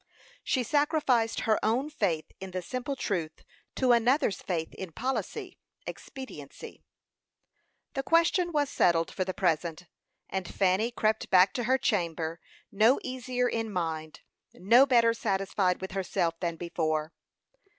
She sacrificed her own faith in the simple truth, to another's faith in policy, expediency. The question was settled for the present, and Fanny crept back to her chamber, no easier in mind, no better satisfied with herself, than before.